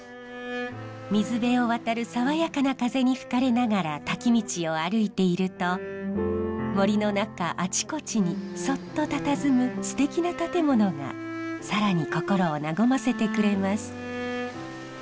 水辺を渡る爽やかな風に吹かれながら滝道を歩いていると森の中あちこちにそっとたたずむすてきな建物が更に心を和ませてくれます。